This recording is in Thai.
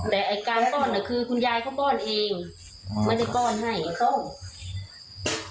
แต่การป้อนคือคุณยายเขาป้อนเองไม่ได้ป้อนให้ไม่ต้อง